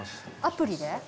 アプリで？